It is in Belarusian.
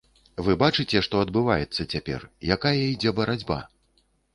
Вы бачыце, што адбываецца цяпер, якая ідзе барацьба.